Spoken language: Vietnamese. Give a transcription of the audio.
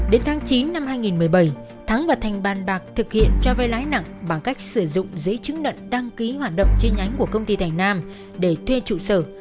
đến tháng chín năm hai nghìn một mươi bảy thắng và thành bàn bạc thực hiện cho vay lãi nặng bằng cách sử dụng giấy chứng nhận đăng ký hoạt động chi nhánh của công ty thành nam để thuê trụ sở